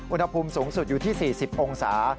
อุณหภูมิสูงสุดอยู่ที่๔๐องศา